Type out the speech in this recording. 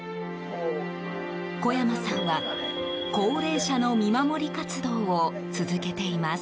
小山さんは、高齢者の見守り活動を続けています。